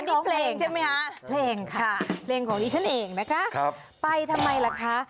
นี่เพลงใช่ไหมคะ